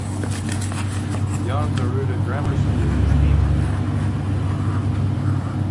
Jan Neruda Grammar School is named for him.